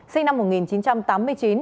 sinh năm một nghìn chín trăm tám mươi chín